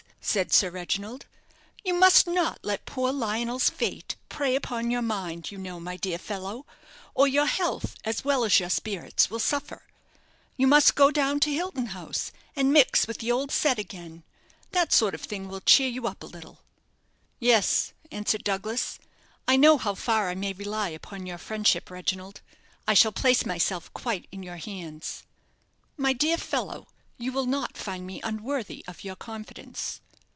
said Sir Reginald. "You must not let poor Lionel's fate prey upon your mind, you know, my dear fellow; or your health, as well as your spirits, will suffer. You must go down to Hilton House, and mix with the old set again. That sort of thing will cheer you up a little." "Yes," answered Douglas. "I know how far I may rely upon your friendship, Reginald. I shall place myself quite in your hands." "My dear fellow, you will not find me unworthy of your confidence."